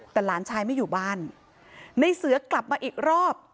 แต่หลานชายไม่อยู่บ้านในเสือกลับมาอีกรอบ